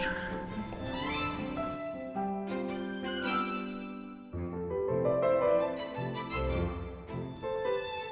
hai boleh nggak aku disini lima menit